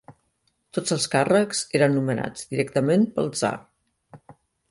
Tots els càrrecs eren nomenats directament pel tsar.